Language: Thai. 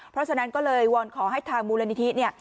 เพราะฉะนั้นก็เลยวอนขอให้ทางมูลนิธิเนี่ย